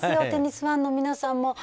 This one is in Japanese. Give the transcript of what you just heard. テニスファンの皆さんも。